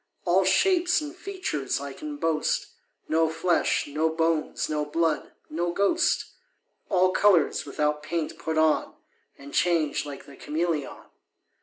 All shapes and features I can boast, No flesh, no bones, no blood no ghost: All colours, without paint, put on, And change like the cameleon.